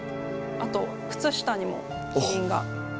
あと靴下にもキリンが。